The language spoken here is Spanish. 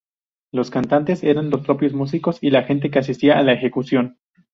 Los cantantes eran los propios músicos y la gente que asistía a la ejecución.